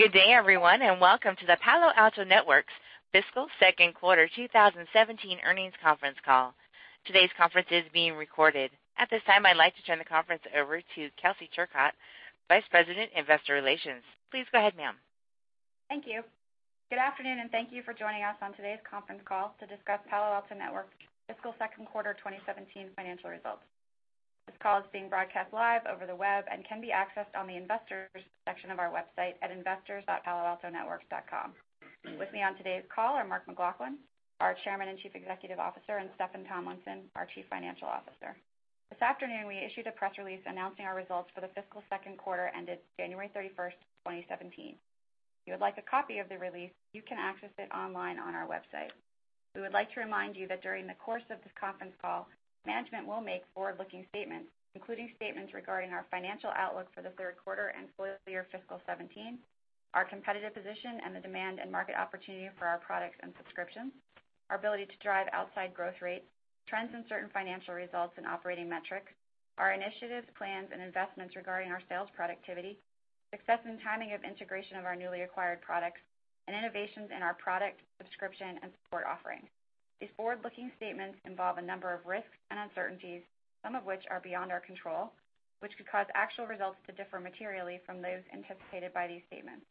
Good day, everyone, and welcome to the Palo Alto Networks fiscal second quarter 2017 earnings conference call. Today's conference is being recorded. At this time, I'd like to turn the conference over to Kelsey Turcotte, Vice President, Investor Relations. Please go ahead, ma'am. Thank you. Good afternoon, and thank you for joining us on today's conference call to discuss Palo Alto Networks' fiscal second quarter 2017 financial results. This call is being broadcast live over the web and can be accessed on the Investors section of our website at investors.paloaltonetworks.com. With me on today's call are Mark McLaughlin, our Chairman and Chief Executive Officer, and Steffan Tomlinson, our Chief Financial Officer. This afternoon, we issued a press release announcing our results for the fiscal second quarter ended January 31st, 2017. If you would like a copy of the release, you can access it online on our website. We would like to remind you that during the course of this conference call, management will make forward-looking statements, including statements regarding our financial outlook for the third quarter and full year fiscal 2017, our competitive position, and the demand and market opportunity for our products and subscriptions, our ability to drive outsized growth rates, trends in certain financial results and operating metrics, our initiatives, plans, and investments regarding our sales productivity, success and timing of integration of our newly acquired products, and innovations in our product subscription and support offerings. These forward-looking statements involve a number of risks and uncertainties, some of which are beyond our control, which could cause actual results to differ materially from those anticipated by these statements.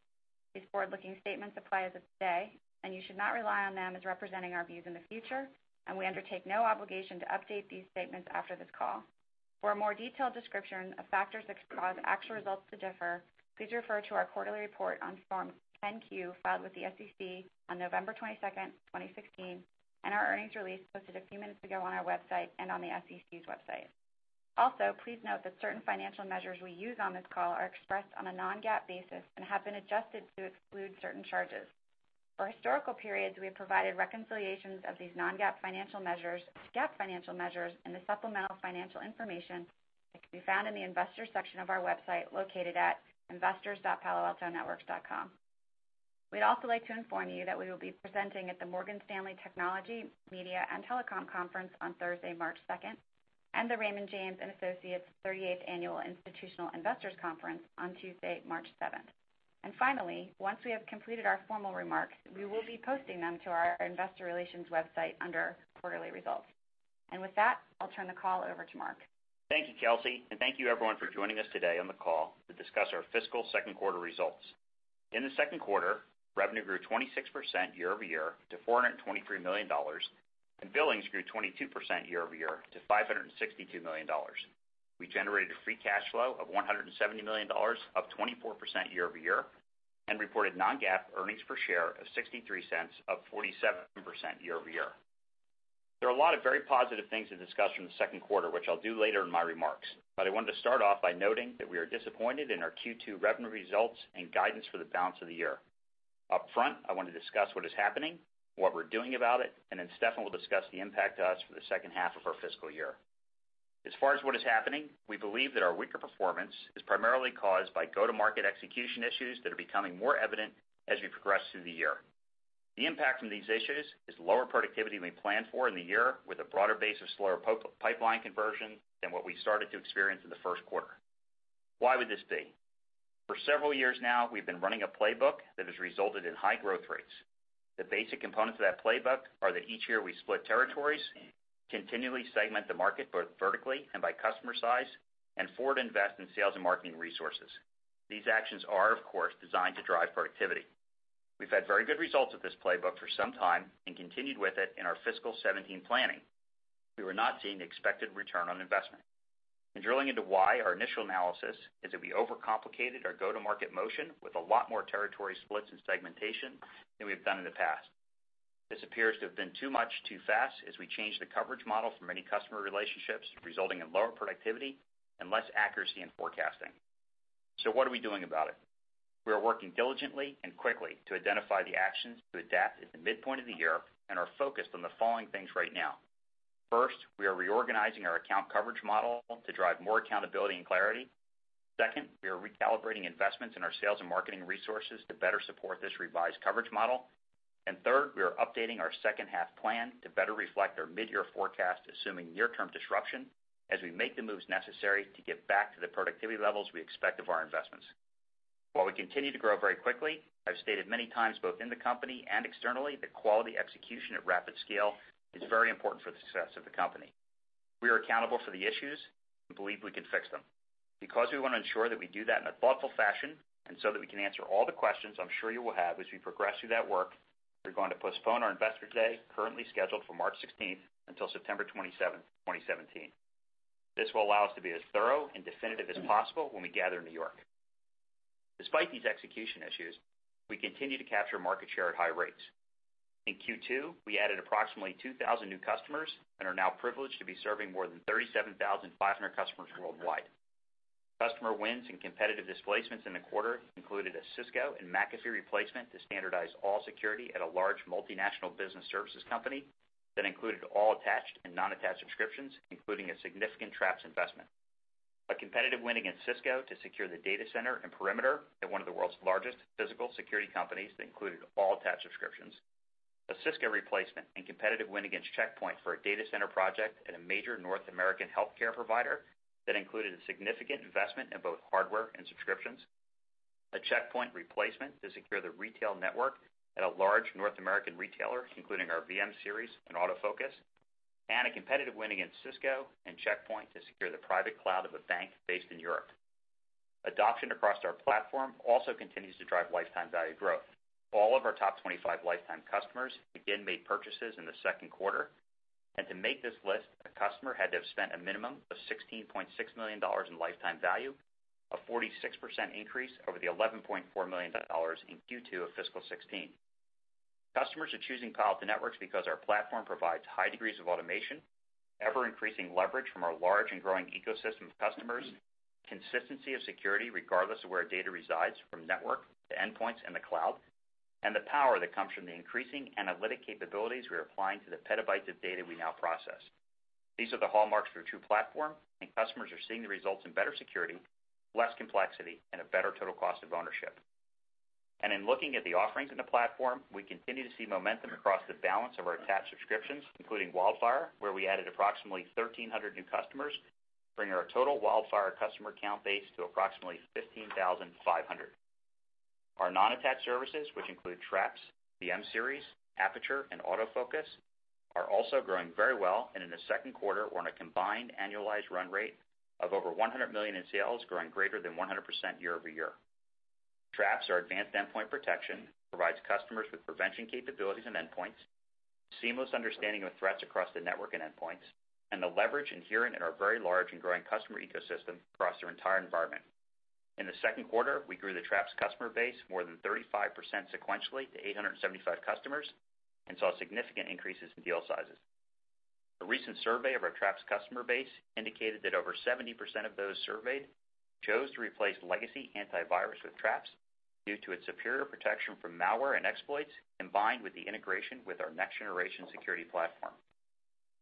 These forward-looking statements apply as of today, and you should not rely on them as representing our views in the future, and we undertake no obligation to update these statements after this call. For a more detailed description of factors that could cause actual results to differ, please refer to our quarterly report on Form 10-Q filed with the SEC on November 22nd, 2016, and our earnings release posted a few minutes ago on our website and on the SEC's website. Also, please note that certain financial measures we use on this call are expressed on a non-GAAP basis and have been adjusted to exclude certain charges. For historical periods, we have provided reconciliations of these non-GAAP financial measures to GAAP financial measures in the supplemental financial information that can be found in the Investors section of our website located at investors.paloaltonetworks.com. We'd also like to inform you that we will be presenting at the Morgan Stanley Technology, Media & Telecom Conference on Thursday, March 2nd, and the Raymond James & Associates 38th Annual Institutional Investors Conference on Tuesday, March 7th. Finally, once we have completed our formal remarks, we will be posting them to our investor relations website under Quarterly Results. With that, I'll turn the call over to Mark. Thank you, Kelsey. Thank you everyone for joining us today on the call to discuss our fiscal second quarter results. In the second quarter, revenue grew 26% year-over-year to $423 million, and billings grew 22% year-over-year to $562 million. We generated a free cash flow of $170 million, up 24% year-over-year, and reported non-GAAP earnings per share of $0.63, up 47% year-over-year. There are a lot of very positive things to discuss from the second quarter, which I'll do later in my remarks. I wanted to start off by noting that we are disappointed in our Q2 revenue results and guidance for the balance of the year. Up front, I want to discuss what is happening, what we're doing about it, Steffan will discuss the impact to us for the second half of our fiscal year. As far as what is happening, we believe that our weaker performance is primarily caused by go-to-market execution issues that are becoming more evident as we progress through the year. The impact from these issues is lower productivity than we planned for in the year with a broader base of slower pipeline conversion than what we started to experience in the first quarter. Why would this be? For several years now, we've been running a playbook that has resulted in high growth rates. The basic components of that playbook are that each year we split territories, continually segment the market both vertically and by customer size, and forward invest in sales and marketing resources. These actions are, of course, designed to drive productivity. We've had very good results with this playbook for some time and continued with it in our fiscal 2017 planning. We were not seeing the expected return on investment. In drilling into why, our initial analysis is that we overcomplicated our go-to-market motion with a lot more territory splits and segmentation than we have done in the past. This appears to have been too much too fast as we changed the coverage model for many customer relationships, resulting in lower productivity and less accuracy in forecasting. What are we doing about it? We are working diligently and quickly to identify the actions to adapt at the midpoint of the year and are focused on the following things right now. First, we are reorganizing our account coverage model to drive more accountability and clarity. Second, we are recalibrating investments in our sales and marketing resources to better support this revised coverage model. Third, we are updating our second half plan to better reflect our mid-year forecast, assuming near-term disruption as we make the moves necessary to get back to the productivity levels we expect of our investments. While we continue to grow very quickly, I've stated many times both in the company and externally that quality execution at rapid scale is very important for the success of the company. We are accountable for the issues and believe we can fix them. Because we want to ensure that we do that in a thoughtful fashion and so that we can answer all the questions I'm sure you will have as we progress through that work, we're going to postpone our Investor Day, currently scheduled for March 16th, until September 27th, 2017. This will allow us to be as thorough and definitive as possible when we gather in New York. Despite these execution issues, we continue to capture market share at high rates. In Q2, we added approximately 2,000 new customers and are now privileged to be serving more than 37,500 customers worldwide. Customer wins and competitive displacements in the quarter included a Cisco and McAfee replacement to standardize all security at a large multinational business services company that included all attached and non-attached subscriptions, including a significant Traps investment. A competitive win against Cisco to secure the data center and perimeter at one of the world's largest physical security companies that included all attached subscriptions. A Cisco replacement and competitive win against Check Point for a data center project at a major North American healthcare provider that included a significant investment in both hardware and subscriptions, a Check Point replacement to secure the retail network at a large North American retailer, including our VM-Series and AutoFocus, and a competitive win against Cisco and Check Point to secure the private cloud of a bank based in Europe. Adoption across our platform also continues to drive lifetime value growth. All of our top 25 lifetime customers again made purchases in the second quarter. To make this list, a customer had to have spent a minimum of $16.6 million in lifetime value, a 46% increase over the $11.4 million in Q2 of fiscal 2016. Customers are choosing Palo Alto Networks because our platform provides high degrees of automation, ever-increasing leverage from our large and growing ecosystem of customers, consistency of security regardless of where data resides from network to endpoints and the cloud, and the power that comes from the increasing analytic capabilities we're applying to the petabytes of data we now process. These are the hallmarks of a true platform, and customers are seeing the results in better security, less complexity, and a better total cost of ownership. In looking at the offerings in the platform, we continue to see momentum across the balance of our attached subscriptions, including WildFire, where we added approximately 1,300 new customers, bringing our total WildFire customer count base to approximately 15,500. Our non-attached services, which include Traps, VM-Series, Aperture, and AutoFocus, are also growing very well. In the second quarter, they were on a combined annualized run rate of over $100 million in sales, growing greater than 100% year-over-year. Traps, our advanced endpoint protection, provides customers with prevention capabilities and endpoints, seamless understanding of threats across the network and endpoints, and the leverage inherent in our very large and growing customer ecosystem across their entire environment. In the second quarter, we grew the Traps customer base more than 35% sequentially to 875 customers and saw significant increases in deal sizes. A recent survey of our Traps customer base indicated that over 70% of those surveyed chose to replace legacy antivirus with Traps due to its superior protection from malware and exploits, combined with the integration with our next-generation security platform.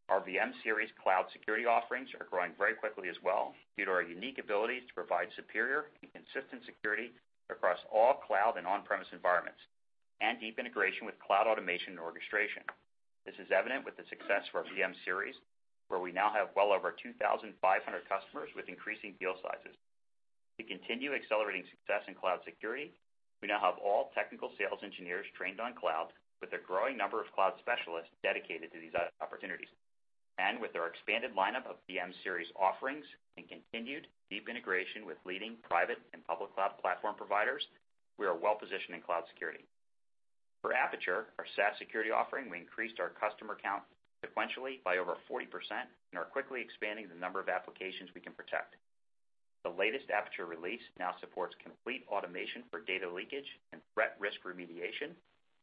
Our VM-Series Cloud Security offerings are growing very quickly as well, due to our unique ability to provide superior and consistent security across all cloud and on-premise environments, and deep integration with cloud automation and orchestration. This is evident with the success of our VM-Series, where we now have well over 2,500 customers with increasing deal sizes. To continue accelerating success in cloud security, we now have all technical sales engineers trained on cloud, with a growing number of cloud specialists dedicated to these opportunities. With our expanded lineup of VM-Series offerings and continued deep integration with leading private and public cloud platform providers, we are well-positioned in cloud security. For Aperture, our SaaS security offering, we increased our customer count sequentially by over 40% and are quickly expanding the number of applications we can protect. The latest Aperture release now supports complete automation for data leakage and threat risk remediation,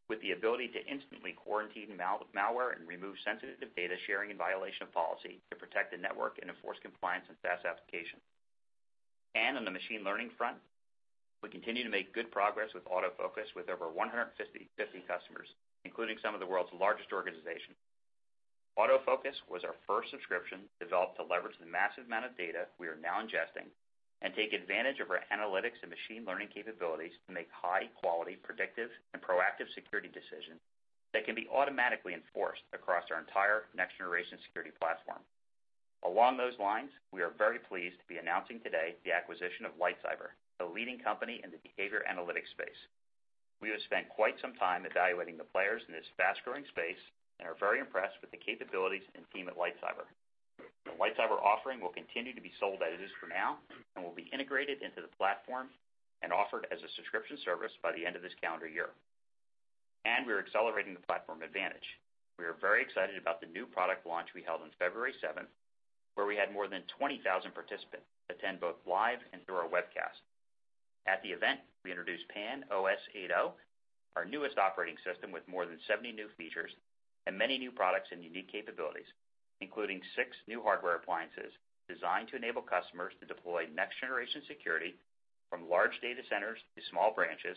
with the ability to instantly quarantine malware and remove sensitive data sharing in violation of policy to protect the network and enforce compliance and SaaS application. On the machine learning front, we continue to make good progress with AutoFocus with over 150 customers, including some of the world's largest organizations. AutoFocus was our first subscription developed to leverage the massive amount of data we are now ingesting and take advantage of our analytics and machine learning capabilities to make high-quality, predictive, and proactive security decisions that can be automatically enforced across our entire next-generation security platform. Along those lines, we are very pleased to be announcing today the acquisition of LightCyber, the leading company in the behavior analytics space. We have spent quite some time evaluating the players in this fast-growing space and are very impressed with the capabilities and team at LightCyber. The LightCyber offering will continue to be sold as it is for now and will be integrated into the platform and offered as a subscription service by the end of this calendar year. We are accelerating the platform advantage. We are very excited about the new product launch we held on February 7th, where we had more than 20,000 participants attend both live and through our webcast. At the event, we introduced PAN-OS 8.0, our newest operating system with more than 70 new features and many new products and unique capabilities, including six new hardware appliances designed to enable customers to deploy next-generation security from large data centers to small branches,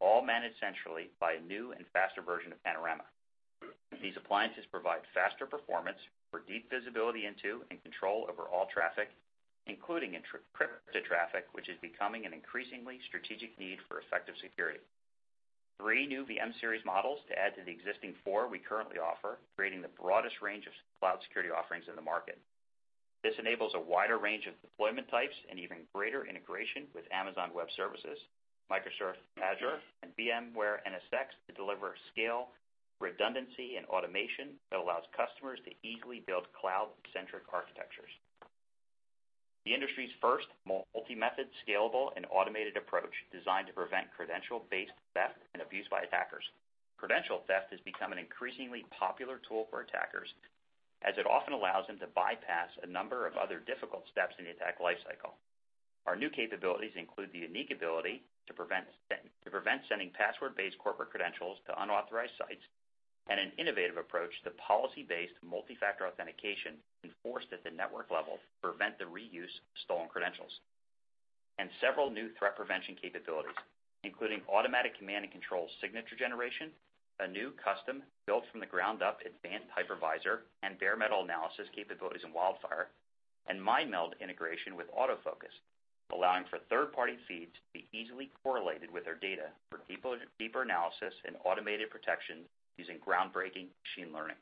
all managed centrally by a new and faster version of Panorama. These appliances provide faster performance for deep visibility into and control over all traffic, including encrypted traffic, which is becoming an increasingly strategic need for effective security. Three new VM-Series models to add to the existing four we currently offer, creating the broadest range of cloud security offerings in the market. This enables a wider range of deployment types and even greater integration with Amazon Web Services, Microsoft Azure, and VMware NSX to deliver scale, redundancy, and automation that allows customers to easily build cloud-centric architectures. The industry's first multi-method, scalable, and automated approach designed to prevent credential-based theft and abuse by attackers. Credential theft has become an increasingly popular tool for attackers, as it often allows them to bypass a number of other difficult steps in the attack lifecycle. Our new capabilities include the unique ability to prevent sending password-based corporate credentials to unauthorized sites, and an innovative approach to policy-based multi-factor authentication enforced at the network level to prevent the reuse of stolen credentials. Several new threat prevention capabilities, including automatic command and control signature generation, a new custom built from the ground up advanced hypervisor and bare metal analysis capabilities in WildFire. MineMeld integration with AutoFocus, allowing for third-party feeds to be easily correlated with our data for deeper analysis and automated protection using groundbreaking machine learning.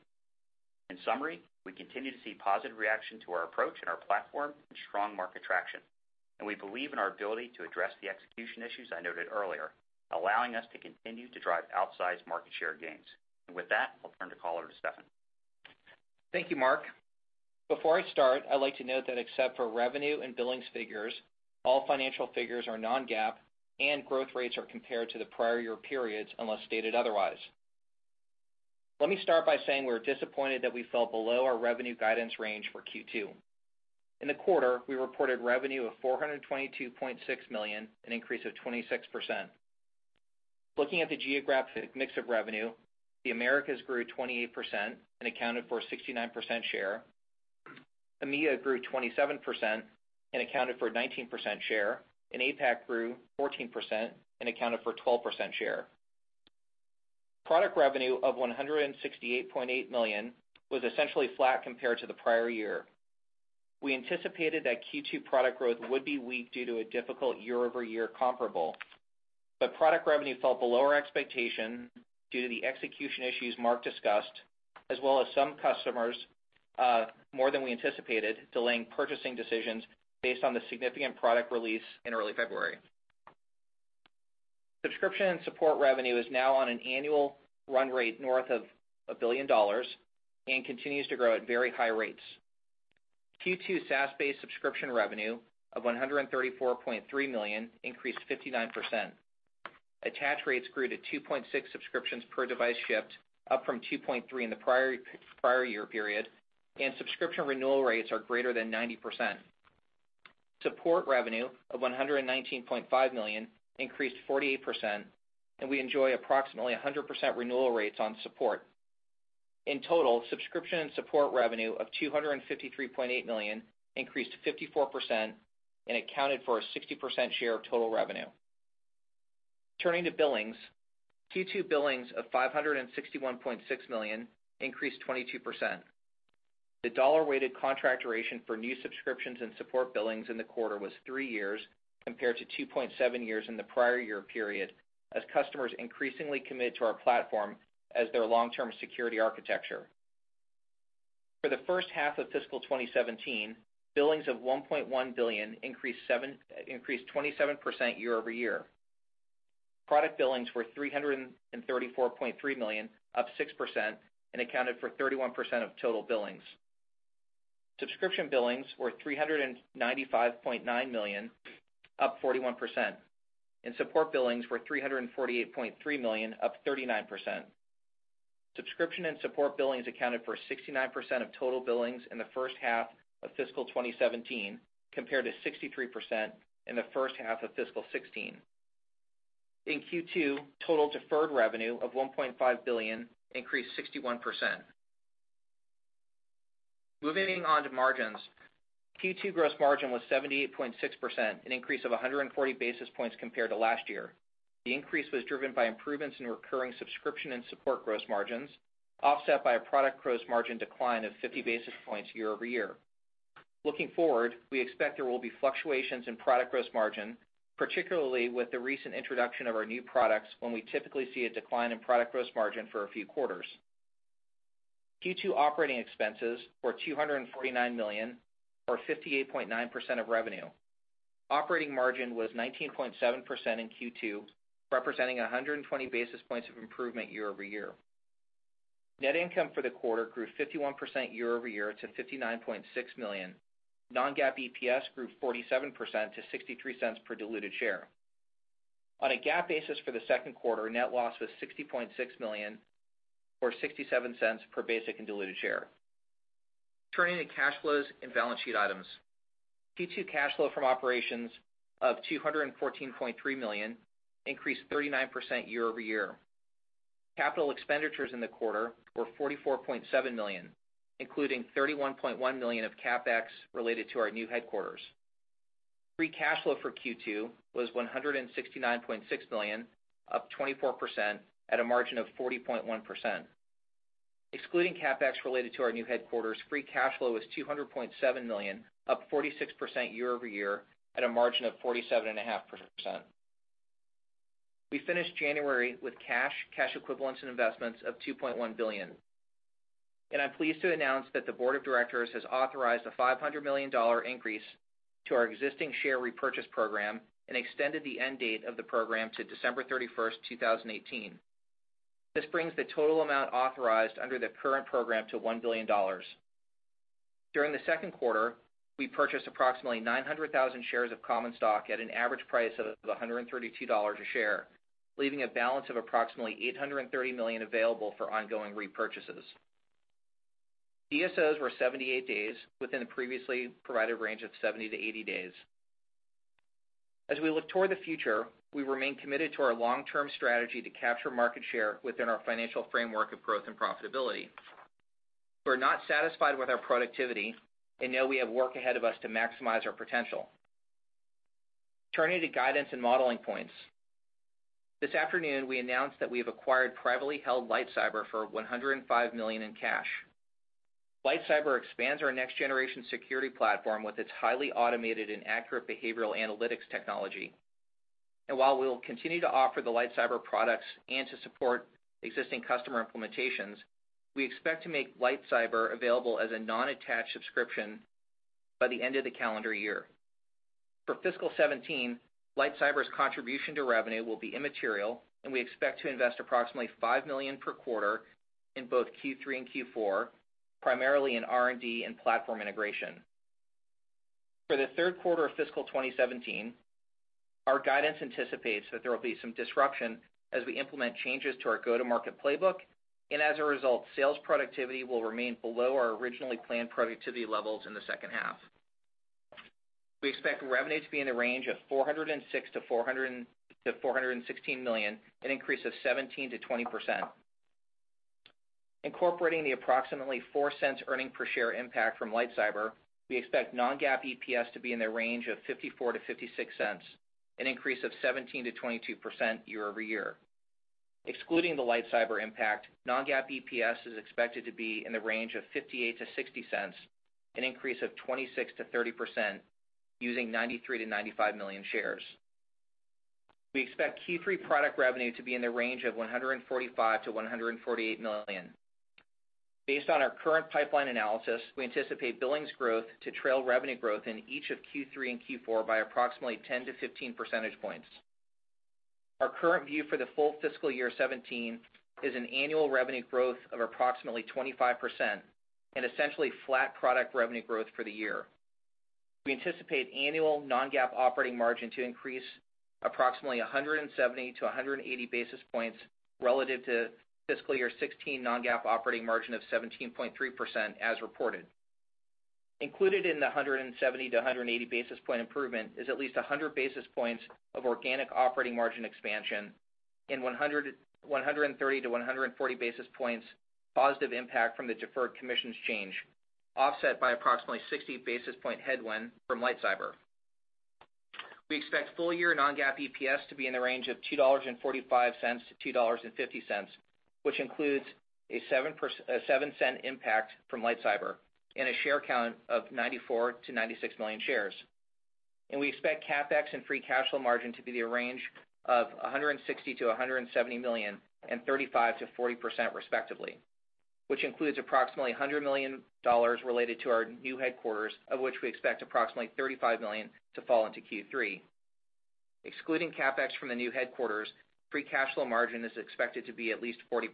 In summary, we continue to see positive reaction to our approach and our platform and strong market traction, and we believe in our ability to address the execution issues I noted earlier, allowing us to continue to drive outsized market share gains. With that, I'll turn the call over to Steffan. Thank you, Mark. Before I start, I'd like to note that except for revenue and billings figures, all financial figures are non-GAAP, and growth rates are compared to the prior year periods, unless stated otherwise. Let me start by saying we're disappointed that we fell below our revenue guidance range for Q2. In the quarter, we reported revenue of $422.6 million, an increase of 26%. Looking at the geographic mix of revenue, the Americas grew 28% and accounted for 69% share, EMEA grew 27% and accounted for 19% share, and APAC grew 14% and accounted for 12% share. Product revenue of $168.8 million was essentially flat compared to the prior year. We anticipated that Q2 product growth would be weak due to a difficult year-over-year comparable. Product revenue fell below our expectation due to the execution issues Mark discussed, as well as some customers, more than we anticipated, delaying purchasing decisions based on the significant product release in early February. Subscription and support revenue is now on an annual run rate north of $1 billion and continues to grow at very high rates. Q2 SaaS-based subscription revenue of $134.3 million increased 59%. Attach rates grew to 2.6 subscriptions per device shipped, up from 2.3 in the prior year period. Subscription renewal rates are greater than 90%. Support revenue of $119.5 million increased 48%. We enjoy approximately 100% renewal rates on support. In total, subscription and support revenue of $253.8 million increased 54% and accounted for a 60% share of total revenue. Turning to billings. Q2 billings of $561.6 million increased 22%. The dollar-weighted contract duration for new subscriptions and support billings in the quarter was three years, compared to 2.7 years in the prior year period, as customers increasingly commit to our platform as their long-term security architecture. For the first half of fiscal 2017, billings of $1.1 billion increased 27% year-over-year. Product billings were $334.3 million, up 6%, and accounted for 31% of total billings. Subscription billings were $395.9 million, up 41%, and support billings were $348.3 million, up 39%. Subscription and support billings accounted for 69% of total billings in the first half of fiscal 2017, compared to 63% in the first half of fiscal 2016. In Q2, total deferred revenue of $1.5 billion increased 61%. Moving on to margins. Q2 gross margin was 78.6%, an increase of 140 basis points compared to last year. The increase was driven by improvements in recurring subscription and support gross margins, offset by a product gross margin decline of 50 basis points year-over-year. Looking forward, we expect there will be fluctuations in product gross margin, particularly with the recent introduction of our new products, when we typically see a decline in product gross margin for a few quarters. Q2 operating expenses were $249 million, or 58.9% of revenue. Operating margin was 19.7% in Q2, representing 120 basis points of improvement year-over-year. Net income for the quarter grew 51% year-over-year to $59.6 million. non-GAAP EPS grew 47% to $0.63 per diluted share. On a GAAP basis for the second quarter, net loss was $60.6 million, or $0.67 per basic and diluted share. Turning to cash flows and balance sheet items. Q2 cash flow from operations of $214.3 million increased 39% year-over-year. Capital expenditures in the quarter were $44.7 million, including $31.1 million of CapEx related to our new headquarters. Free cash flow for Q2 was $169.6 million, up 24%, at a margin of 40.1%. Excluding CapEx related to our new headquarters, free cash flow was $200.7 million, up 46% year-over-year, at a margin of 47.5%. We finished January with cash equivalents, and investments of $2.1 billion. I'm pleased to announce that the board of directors has authorized a $500 million increase to our existing share repurchase program and extended the end date of the program to December 31st, 2018. This brings the total amount authorized under the current program to $1 billion. During the second quarter, we purchased approximately 900,000 shares of common stock at an average price of $132 a share, leaving a balance of approximately $830 million available for ongoing repurchases. DSOs were 78 days within the previously provided range of 70-80 days. As we look toward the future, we remain committed to our long-term strategy to capture market share within our financial framework of growth and profitability. We're not satisfied with our productivity and know we have work ahead of us to maximize our potential. Turning to guidance and modeling points. This afternoon, we announced that we have acquired privately held LightCyber for $105 million in cash. LightCyber expands our next-generation security platform with its highly automated and accurate behavioral analytics technology. While we'll continue to offer the LightCyber products and to support existing customer implementations, we expect to make LightCyber available as a non-attached subscription by the end of the calendar year. For fiscal 2017, LightCyber's contribution to revenue will be immaterial, and we expect to invest approximately $5 million per quarter in both Q3 and Q4, primarily in R&D and platform integration. For the third quarter of fiscal 2017, our guidance anticipates that there will be some disruption as we implement changes to our go-to-market playbook. As a result, sales productivity will remain below our originally planned productivity levels in the second half. We expect revenue to be in the range of $406 million-$416 million, an increase of 17%-20%. Incorporating the approximately $0.04 earning per share impact from LightCyber, we expect non-GAAP EPS to be in the range of $0.54-$0.56, an increase of 17%-22% year-over-year. Excluding the LightCyber impact, non-GAAP EPS is expected to be in the range of $0.58-$0.60, an increase of 26%-30%, using 93 million-95 million shares. We expect Q3 product revenue to be in the range of $145 million-$148 million. Based on our current pipeline analysis, we anticipate billings growth to trail revenue growth in each of Q3 and Q4 by approximately 10-15 percentage points. Our current view for the full fiscal year 2017 is an annual revenue growth of approximately 25% and essentially flat product revenue growth for the year. We anticipate annual non-GAAP operating margin to increase approximately 170-180 basis points relative to fiscal year 2016 non-GAAP operating margin of 17.3% as reported. Included in the 170-180 basis point improvement is at least 100 basis points of organic operating margin expansion and 130-140 basis points positive impact from the deferred commissions change, offset by approximately 60 basis point headwind from LightCyber. We expect full-year non-GAAP EPS to be in the range of $2.45-$2.50, which includes a $0.07 impact from LightCyber and a share count of 94 million-96 million shares. We expect CapEx and free cash flow margin to be the range of $160 million-$170 million and 35%-40%, respectively, which includes approximately $100 million related to our new headquarters, of which we expect approximately $35 million to fall into Q3. Excluding CapEx from the new headquarters, free cash flow margin is expected to be at least 40%.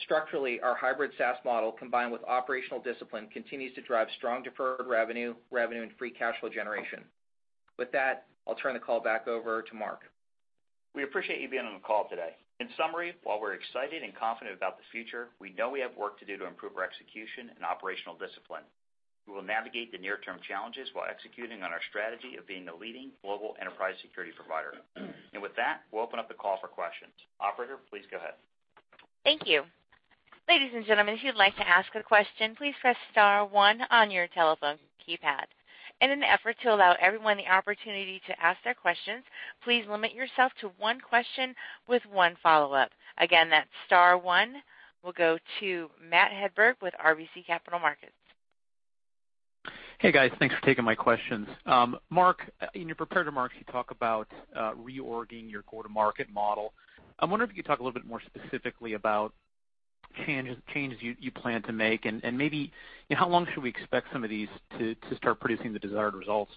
Structurally, our hybrid SaaS model, combined with operational discipline, continues to drive strong deferred revenue, and free cash flow generation. With that, I'll turn the call back over to Mark. We appreciate you being on the call today. In summary, while we're excited and confident about the future, we know we have work to do to improve our execution and operational discipline. We will navigate the near-term challenges while executing on our strategy of being the leading global enterprise security provider. With that, we'll open up the call for questions. Operator, please go ahead. Thank you. Ladies and gentlemen, if you'd like to ask a question, please press *1 on your telephone keypad. In an effort to allow everyone the opportunity to ask their questions, please limit yourself to one question with one follow-up. Again, that's *1. We'll go to Matthew Hedberg with RBC Capital Markets. Hey, guys. Thanks for taking my questions. Mark, in your prepared remarks, you talk about reorging your go-to-market model. I wonder if you could talk a little bit more specifically about changes you plan to make, and maybe how long should we expect some of these to start producing the desired results?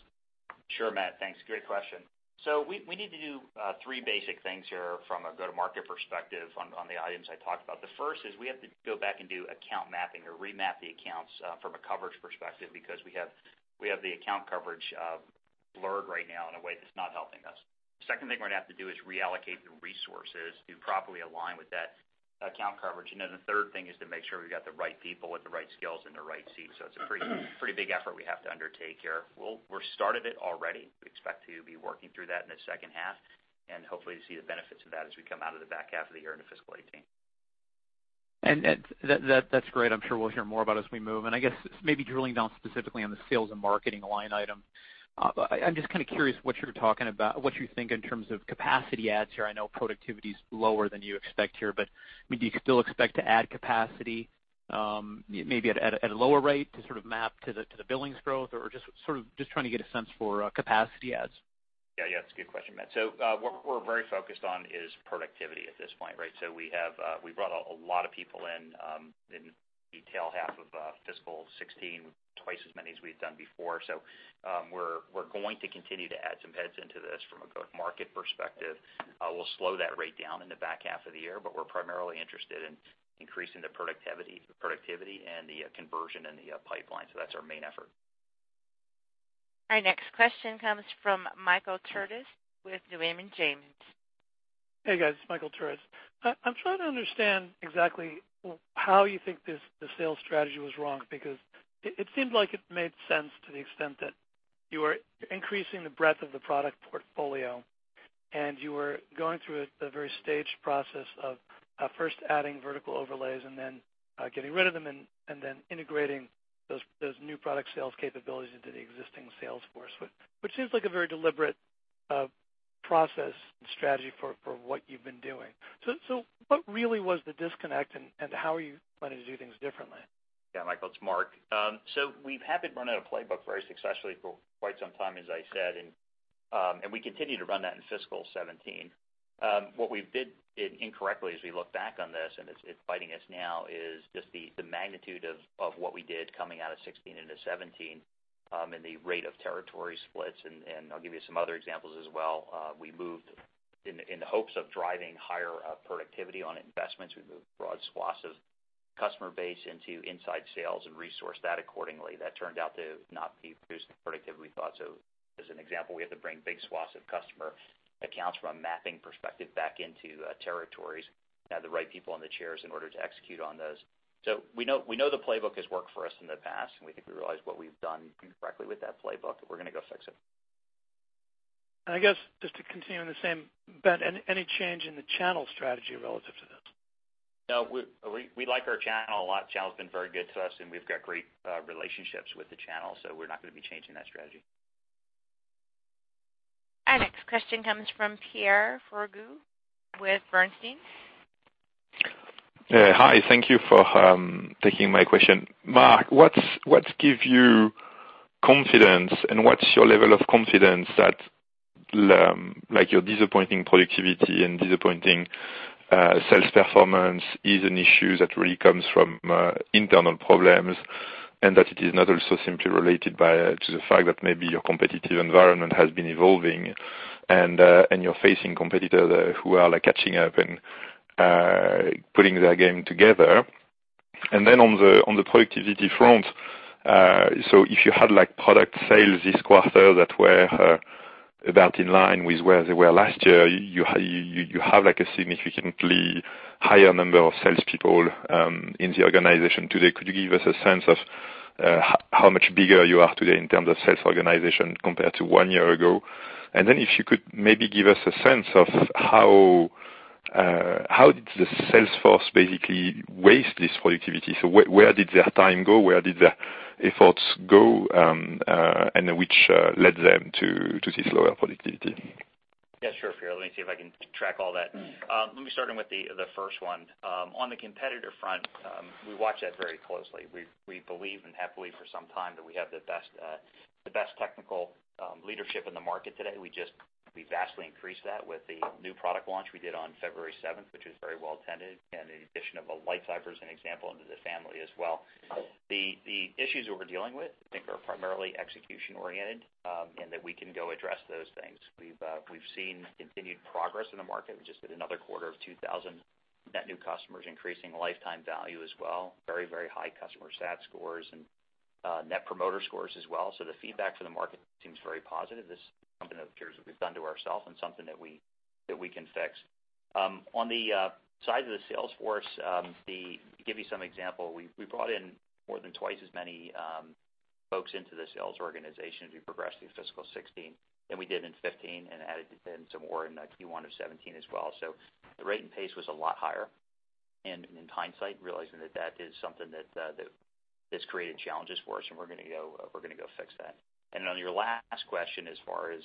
Sure, Matt. Thanks. Great question. We need to do three basic things here from a go-to-market perspective on the items I talked about. The first is we have to go back and do account mapping or remap the accounts from a coverage perspective because we have the account coverage blurred right now in a way that's not helping us. The second thing we're going to have to do is reallocate the resources to properly align with that account coverage. The third thing is to make sure we've got the right people with the right skills in the right seats. It's a pretty big effort we have to undertake here. We've started it already. We expect to be working through that in the second half, and hopefully to see the benefits of that as we come out of the back half of the year into fiscal 2018. That's great. I'm sure we'll hear more about it as we move. I guess maybe drilling down specifically on the sales and marketing line item, I'm just kind of curious what you're talking about, what you think in terms of capacity adds here. I know productivity's lower than you expect here, but, I mean, do you still expect to add capacity, maybe at a lower rate to sort of map to the billings growth or just sort of just trying to get a sense for capacity adds? Yeah. It's a good question, Matt. What we're very focused on is productivity at this point, right? We brought a lot of people in the tail half of fiscal 2016, twice as many as we've done before. We're going to continue to add some heads into this from a go-to-market perspective. We'll slow that rate down in the back half of the year, we're primarily interested in increasing the productivity and the conversion in the pipeline. That's our main effort. Our next question comes from Michael Turits with Raymond James. Hey, guys. It's Michael Turits. I'm trying to understand exactly how you think the sales strategy was wrong, because it seemed like it made sense to the extent that you were increasing the breadth of the product portfolio You were going through a very staged process of first adding vertical overlays and then getting rid of them, and then integrating those new product sales capabilities into the existing sales force, which seems like a very deliberate process and strategy for what you've been doing. What really was the disconnect and how are you planning to do things differently? Yeah, Michael, it's Mark. We've been running a playbook very successfully for quite some time, as I said, and we continue to run that in fiscal 2017. What we did incorrectly as we look back on this, and it's biting us now, is just the magnitude of what we did coming out of 2016 into 2017, and the rate of territory splits. I'll give you some other examples as well. In the hopes of driving higher productivity on investments, we moved broad swaths of customer base into inside sales and resourced that accordingly. That turned out to not be as productive as we thought. As an example, we had to bring big swaths of customer accounts from a mapping perspective back into territories, have the right people in the chairs in order to execute on those. We know the playbook has worked for us in the past, and we think we realize what we've done incorrectly with that playbook. We're going to go fix it. I guess just to continue in the same bent, any change in the channel strategy relative to this? No, we like our channel a lot. Channel's been very good to us, we've got great relationships with the channel, we're not going to be changing that strategy. Our next question comes from Pierre Ferragu with Bernstein. Yeah. Hi, thank you for taking my question. Mark, what give you confidence, what's your level of confidence that your disappointing productivity and disappointing sales performance is an issue that really comes from internal problems, that it is not also simply related to the fact that maybe your competitive environment has been evolving, you're facing competitors who are catching up and putting their game together? On the productivity front, if you had product sales this quarter that were about in line with where they were last year, you have a significantly higher number of salespeople in the organization today. Could you give us a sense of how much bigger you are today in terms of sales organization compared to one year ago? If you could maybe give us a sense of how did the sales force basically waste this productivity? Where did their time go? Where did their efforts go, which led them to this lower productivity? Yeah, sure, Pierre. Let me see if I can track all that. Let me start with the first one. On the competitor front, we watch that very closely. We believe, and have believed for some time, that we have the best technical leadership in the market today. We vastly increased that with the new product launch we did on February 7th, which was very well attended, and the addition of a LightCyber as an example into the family as well. The issues that we're dealing with, I think, are primarily execution-oriented, and that we can go address those things. We've seen continued progress in the market. We just did another quarter of 2,000 net new customers, increasing lifetime value as well. Very high customer stat scores and net promoter scores as well. The feedback from the market seems very positive. This is something that appears that we've done to ourself and something that we can fix. On the size of the sales force, to give you some example, we brought in more than twice as many folks into the sales organization as we progressed through fiscal 2016 than we did in 2015, and added in some more in Q1 of 2017 as well. The rate and pace was a lot higher. In hindsight, realizing that that is something that's created challenges for us, and we're going to go fix that. On your last question, as far as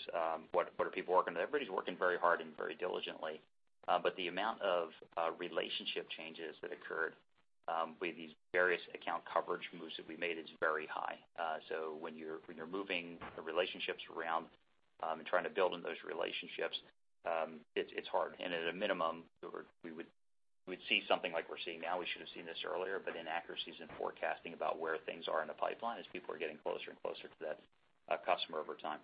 what are people working on, everybody's working very hard and very diligently. The amount of relationship changes that occurred with these various account coverage moves that we made is very high. When you're moving the relationships around, and trying to build on those relationships, it's hard. At a minimum, we would see something like we're seeing now. We should've seen this earlier, but inaccuracies in forecasting about where things are in the pipeline as people are getting closer and closer to that customer over time.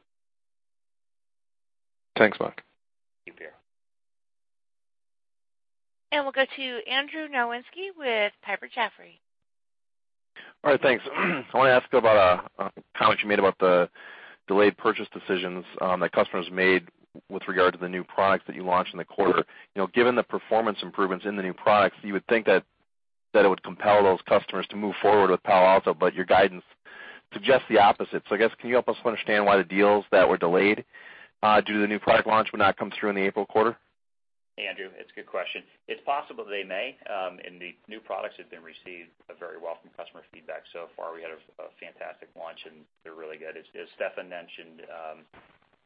Thanks, Mark. Thank you, Pierre. We'll go to Andrew Nowinski with Piper Jaffray. All right. Thanks. I want to ask about a comment you made about the delayed purchase decisions that customers made with regard to the new products that you launched in the quarter. Given the performance improvements in the new products, you would think that it would compel those customers to move forward with Palo Alto, but your guidance suggests the opposite. I guess, can you help us understand why the deals that were delayed due to the new product launch would not come through in the April quarter? Andrew, it's a good question. It's possible they may. The new products have been received very well from customer feedback so far. We had a fantastic launch, and they're really good. As Steffan mentioned,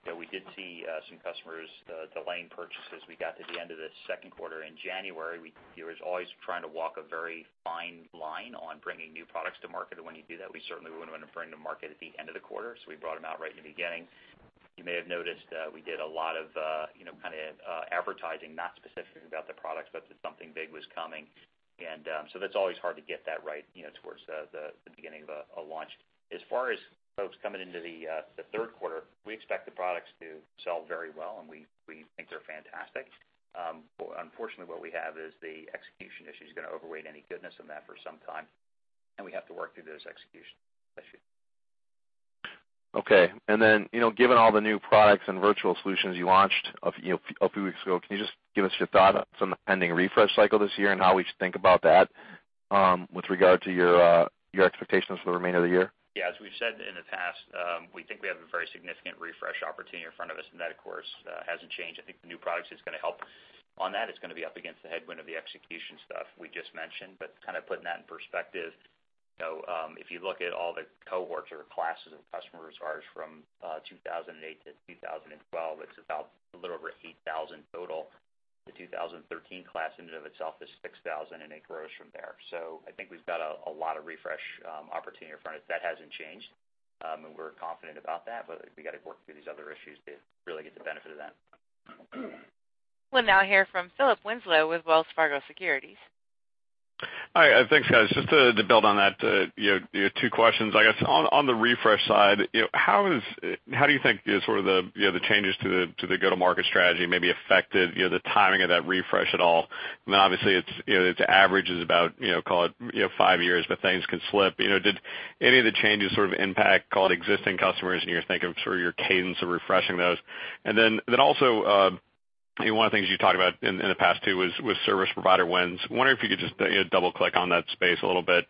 that we did see some customers delaying purchases. We got to the end of the second quarter in January. There is always trying to walk a very fine line on bringing new products to market. When you do that, we certainly wouldn't want to bring to market at the end of the quarter, so we brought them out right in the beginning. You may have noticed, we did a lot of advertising, not specifically about the products, but that something big was coming. That's always hard to get that right towards the beginning of a launch. As far as folks coming into the third quarter, we expect the products to sell very well, and we think they're fantastic. Unfortunately, what we have is the execution issue is going to overweight any goodness in that for some time, and we have to work through those execution issues. Okay. Given all the new products and virtual solutions you launched a few weeks ago, can you just give us your thought on the pending refresh cycle this year and how we should think about that? With regard to your expectations for the remainder of the year? Yeah. As we've said in the past, we think we have a very significant refresh opportunity in front of us, and that, of course, hasn't changed. I think the new products is going to help on that. It's going to be up against the headwind of the execution stuff we just mentioned. Kind of putting that in perspective, if you look at all the cohorts or classes of customers of ours from 2008 to 2012, it's about a little over 8,000 total. The 2013 class in and of itself is 6,000, and it grows from there. I think we've got a lot of refresh opportunity in front of us. That hasn't changed. We're confident about that. We've got to work through these other issues to really get the benefit of that. We'll now hear from Philip Winslow with Wells Fargo Securities. Hi. Thanks, guys. Just to build on that, two questions, I guess. On the refresh side, how do you think the changes to the go-to-market strategy maybe affected the timing of that refresh at all? I mean, obviously its average is about, call it, five years, but things can slip. Did any of the changes sort of impact, call it, existing customers, and you're thinking of sort of your cadence of refreshing those? Also, one of the things you talked about in the past too was service provider wins. I'm wondering if you could just double-click on that space a little bit.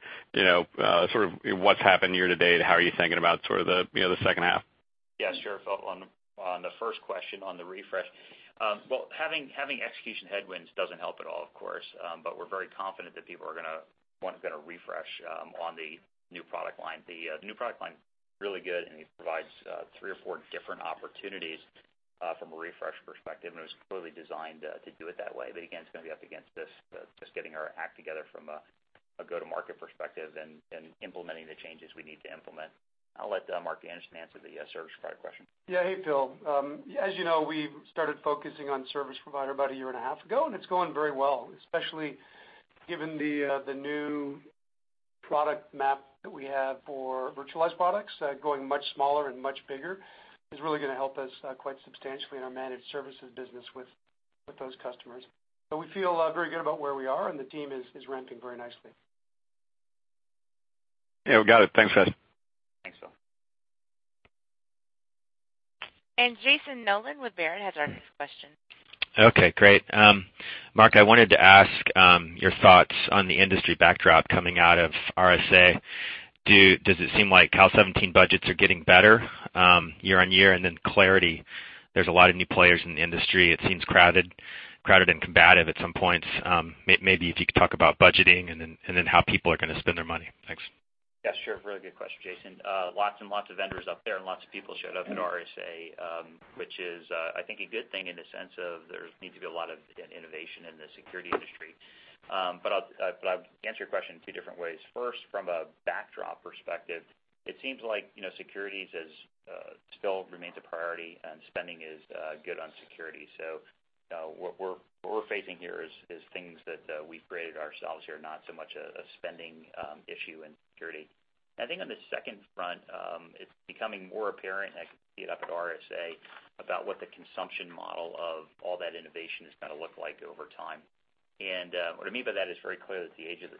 Sort of what's happened year to date? How are you thinking about the second half? Yeah, sure, Phil. On the first question on the refresh. Well, having execution headwinds doesn't help at all, of course, but we're very confident that people are going to want to refresh on the new product line. The new product line is really good, and it provides three or four different opportunities from a refresh perspective, and it was clearly designed to do it that way. Again, it's going to be up against us just getting our act together from a go-to-market perspective and implementing the changes we need to implement. I'll let Mark Anderson answer the service provider question. Yeah. Hey, Phil. As you know, we started focusing on service provider about a year and a half ago, and it's going very well, especially given the new product map that we have for virtualized products. Going much smaller and much bigger is really going to help us quite substantially in our managed services business with those customers. We feel very good about where we are, and the team is ramping very nicely. Yeah, got it. Thanks, guys. Thanks, Phil. Jason Nolan with Baird has our next question. Okay, great. Mark, I wanted to ask your thoughts on the industry backdrop coming out of RSA. Does it seem like Cal 2017 budgets are getting better year-on-year? Then clarity, there's a lot of new players in the industry. It seems crowded and combative at some points. Maybe if you could talk about budgeting and then how people are going to spend their money. Thanks. Yeah, sure. Really good question, Jason. Lots and lots of vendors up there, and lots of people showed up at RSA, which is, I think, a good thing in the sense of there needs to be a lot of innovation in the security industry. I'll answer your question in two different ways. First, from a backdrop perspective, it seems like security still remains a priority, and spending is good on security. What we're facing here is things that we've created ourselves here, not so much a spending issue in security. I think on the second front, it's becoming more apparent, and I could see it up at RSA, about what the consumption model of all that innovation is going to look like over time. What I mean by that is very clear that it's the age of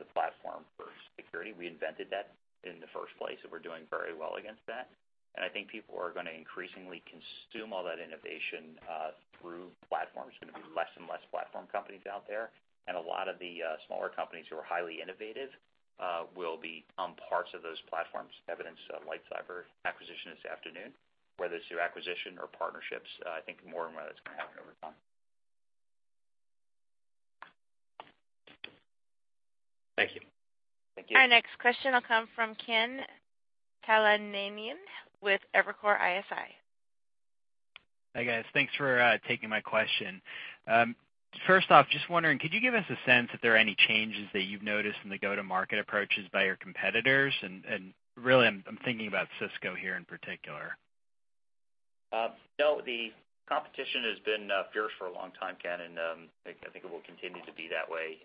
the platform for security. We invented that in the first place, and we're doing very well against that. I think people are going to increasingly consume all that innovation through platforms. There's going to be less and less platform companies out there, and a lot of the smaller companies who are highly innovative will become parts of those platforms, evidenced by the LightCyber acquisition this afternoon. Whether it's through acquisition or partnerships, I think more and more that's going to happen over time. Thank you. Thank you. Our next question will come from Ken Talanian with Evercore ISI. Hi, guys. Thanks for taking my question. First off, just wondering, could you give us a sense if there are any changes that you've noticed in the go-to-market approaches by your competitors? Really, I'm thinking about Cisco here in particular. No, the competition has been fierce for a long time, Ken, and I think it will continue to be that way.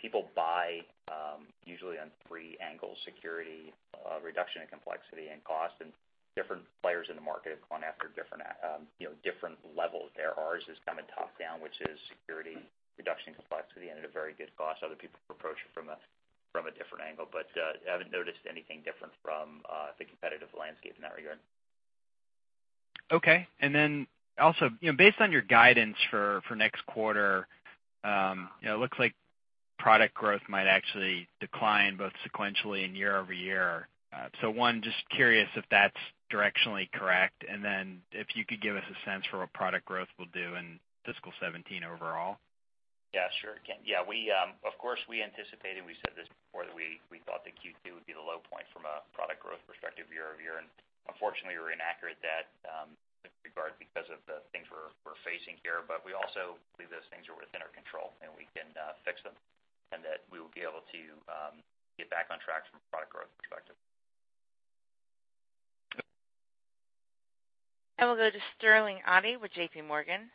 People buy usually on three angles, security, reduction in complexity, and cost, and different players in the market have gone after different levels there. Ours is kind of top-down, which is security, reduction in complexity, and at a very good cost. Other people approach it from a different angle. I haven't noticed anything different from the competitive landscape in that regard. Okay. Also, based on your guidance for next quarter, it looks like product growth might actually decline both sequentially and year-over-year. One, just curious if that's directionally correct, and then if you could give us a sense for what product growth will do in fiscal 2017 overall. Yeah, sure, Ken. Of course, we anticipated, we said this before, that we thought that Q2 would be the low point from a product growth perspective year-over-year, and unfortunately, we were inaccurate in that regard because of the things we're facing here. We also believe those things are within our control, and we can fix them, and that we will be able to get back on track from a product growth perspective. We'll go to Sterling Auty with JPMorgan.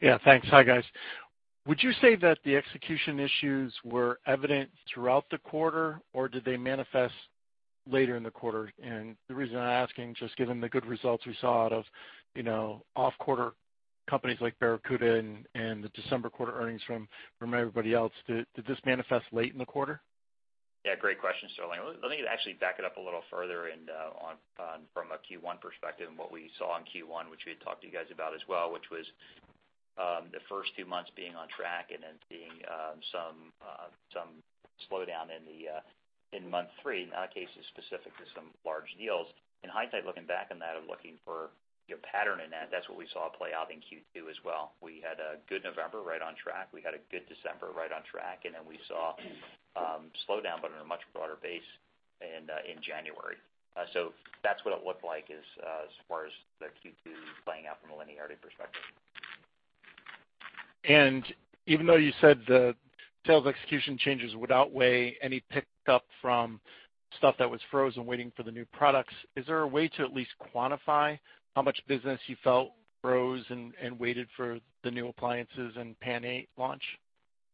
Yeah, thanks. Hi, guys. Would you say that the execution issues were evident throughout the quarter, or did they manifest later in the quarter? The reason I'm asking, just given the good results we saw out of off-quarter companies like Barracuda and the December quarter earnings from everybody else, did this manifest late in the quarter? Yeah, great question, Sterling. Let me actually back it up a little further from a Q1 perspective and what we saw in Q1, which we had talked to you guys about as well, which was the first two months being on track and then seeing some slowdown in month three. In that case, it was specific to some large deals. In hindsight, looking back on that and looking for a pattern in that's what we saw play out in Q2 as well. We had a good November, right on track. We had a good December, right on track. Then we saw a slowdown, but on a much broader base in January. That's what it looked like as far as the Q2 playing out from a linearity perspective. Even though you said the sales execution changes would outweigh any pickup from stuff that was frozen waiting for the new products, is there a way to at least quantify how much business you felt froze and waited for the new appliances and PAN-Eight launch?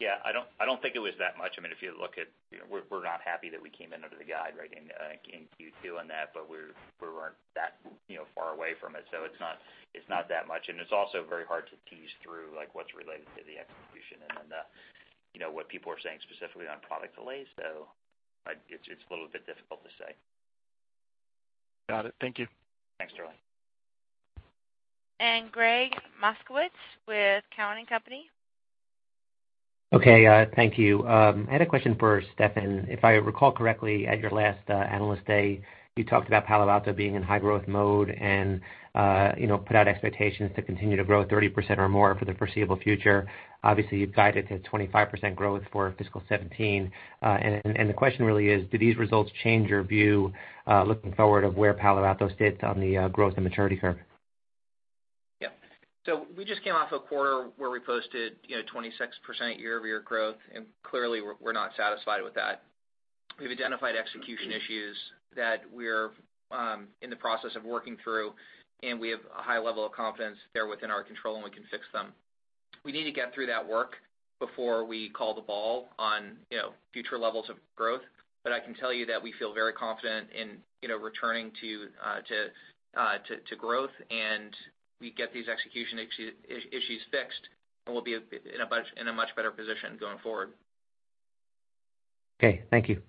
Yeah, I don't think it was that much. If you look at it, we're not happy that we came in under the guide in Q2 on that, but we weren't that far away from it, so it's not that much. It's also very hard to tease through what's related to the execution and then what people are saying specifically on product delays, so it's a little bit difficult to say. Got it. Thank you. Thanks, Sterling. Gregg Moskowitz with Cowen and Company. Okay, thank you. I had a question for Steffan. If I recall correctly, at your last Analyst Day, you talked about Palo Alto being in high-growth mode and put out expectations to continue to grow 30% or more for the foreseeable future. Obviously, you've guided to 25% growth for fiscal 2017. The question really is, do these results change your view looking forward of where Palo Alto sits on the growth and maturity curve? Yeah. We just came off a quarter where we posted 26% year-over-year growth, and clearly, we're not satisfied with that. We've identified execution issues that we're in the process of working through, and we have a high level of confidence they're within our control, and we can fix them. We need to get through that work before we call the ball on future levels of growth. I can tell you that we feel very confident in returning to growth, and we get these execution issues fixed, and we'll be in a much better position going forward. Okay, thank you.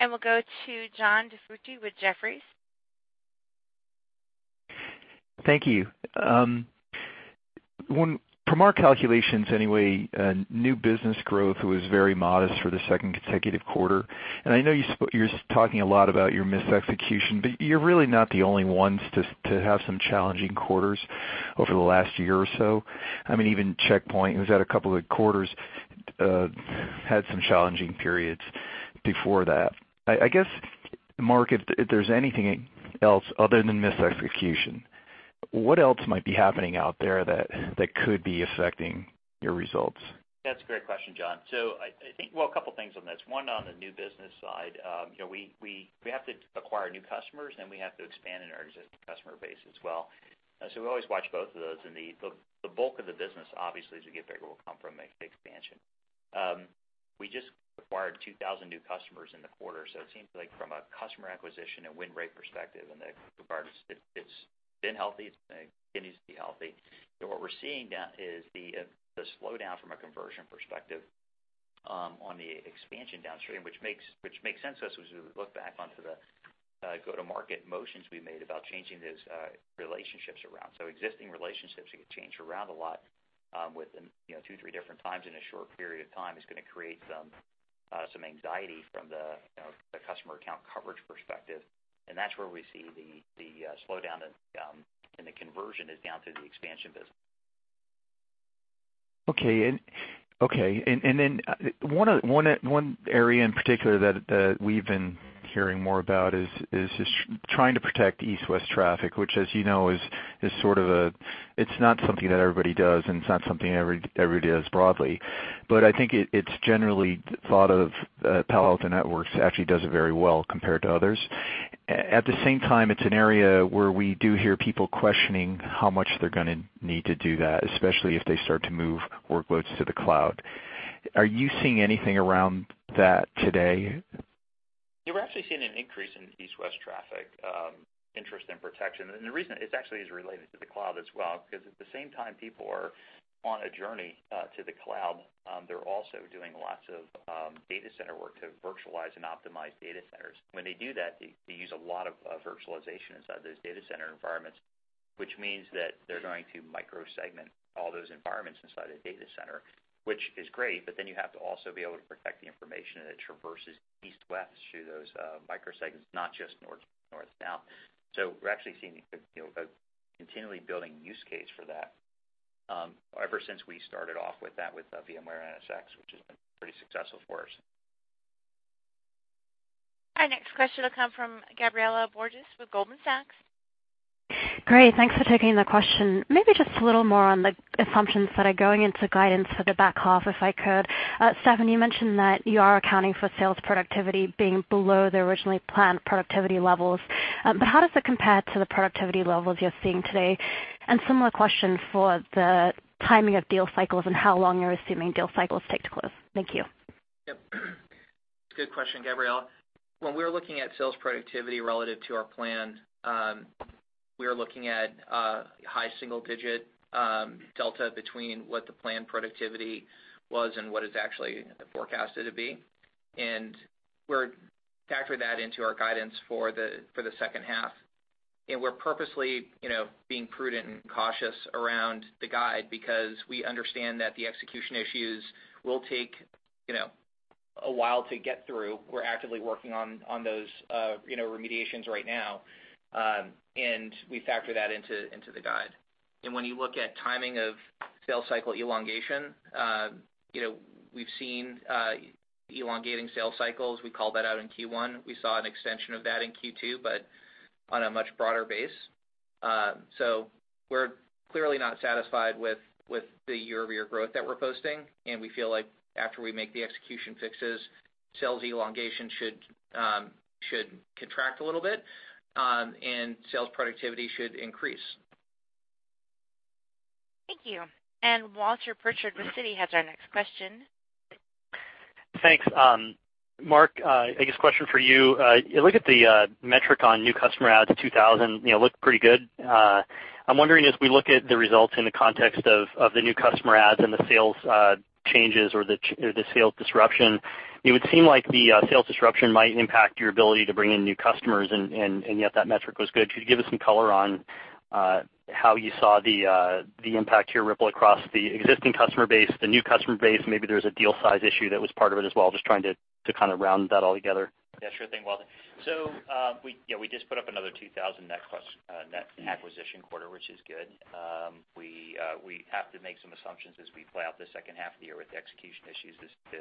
We'll go to John DiFucci with Jefferies. Thank you. From our calculations anyway, new business growth was very modest for the second consecutive quarter. I know you're talking a lot about your misexecution, you're really not the only ones to have some challenging quarters over the last year or so. Even Check Point, who's had a couple of quarters, had some challenging periods before that. I guess, Mark, if there's anything else other than misexecution, what else might be happening out there that could be affecting your results? That's a great question, John. I think, well, a couple things on this. One, on the new business side, we have to acquire new customers, we have to expand in our existing customer base as well. We always watch both of those, the bulk of the business, obviously, as we get bigger, will come from expansion. We just acquired 2,000 new customers in the quarter, it seems like from a customer acquisition and win rate perspective and the regard, it's been healthy. It continues to be healthy. What we're seeing now is the slowdown from a conversion perspective on the expansion downstream, which makes sense to us as we look back onto the go-to-market motions we made about changing those relationships around. Existing relationships get changed around a lot within two, three different times in a short period of time is going to create some anxiety from the customer account coverage perspective. That's where we see the slowdown in the conversion is down through the expansion business. Okay. One area in particular that we've been hearing more about is just trying to protect east-west traffic, which as you know, it's not something that everybody does, and it's not something everybody does broadly. I think it's generally thought of that Palo Alto Networks actually does it very well compared to others. At the same time, it's an area where we do hear people questioning how much they're going to need to do that, especially if they start to move workloads to the cloud. Are you seeing anything around that today? We're actually seeing an increase in east-west traffic interest and protection. The reason it's actually related to the cloud as well, because at the same time, people are on a journey to the cloud. They're also doing lots of data center work to virtualize and optimize data centers. When they do that, they use a lot of virtualization inside those data center environments, which means that they're going to microsegment all those environments inside a data center. Which is great, you have to also be able to protect the information, and it traverses east-west through those microsegments, not just north-south. We're actually seeing a continually building use case for that ever since we started off with that with VMware NSX, which has been pretty successful for us. Our next question will come from Gabriela Borges with Goldman Sachs. Great. Thanks for taking the question. Maybe just a little more on the assumptions that are going into guidance for the back half, if I could. Steffan, you mentioned that you are accounting for sales productivity being below the originally planned productivity levels, how does it compare to the productivity levels you're seeing today? Similar question for the timing of deal cycles and how long you're assuming deal cycles take to close. Thank you. Yep. Good question, Gabriela. We were looking at sales productivity relative to our plan, we were looking at high single-digit delta between what the planned productivity was and what it's actually forecasted to be. We're factoring that into our guidance for the second half. We're purposely being prudent and cautious around the guide because we understand that the execution issues will take a while to get through. We're actively working on those remediations right now, and we factor that into the guide. When you look at timing of sales cycle elongation, we've seen elongating sales cycles. We called that out in Q1. We saw an extension of that in Q2, but on a much broader base. We're clearly not satisfied with the year-over-year growth that we're posting, we feel like after we make the execution fixes, sales elongation should contract a little bit, sales productivity should increase. Thank you. Walter Pritchard with Citi has our next question. Thanks. Mark, I guess a question for you. You look at the metric on new customer adds, 2,000, looked pretty good. I'm wondering as we look at the results in the context of the new customer adds, the sales changes or the sales disruption, it would seem like the sales disruption might impact your ability to bring in new customers, yet that metric was good. Could you give us some color on how you saw the impact here ripple across the existing customer base, the new customer base? Maybe there's a deal size issue that was part of it as well. Just trying to kind of round that all together. Yeah, sure thing, Walter. We just put up another 2,000 net acquisition quarter, which is good. We have to make some assumptions as we play out the second half of the year with the execution issues as to